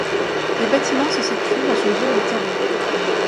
Les bâtiments se situent dans une zone de carrés.